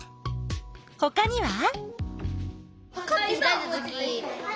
ほかには？